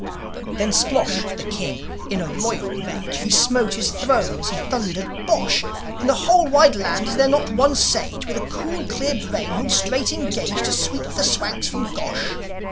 Then Splosh, the king, in a royal rage, He smote his throne as he thundered, "Bosh! In the whole wide land is there not one sage With a cool, clear brain, who'll straight engage To sweep the Swanks from Gosh?"